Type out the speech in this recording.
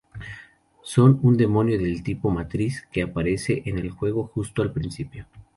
Son un demonio del tipo Matriz que aparece en el juego, justo al principio.